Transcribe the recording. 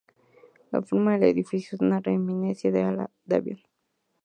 La forma del edificio es una reminiscencia de un ala de avión.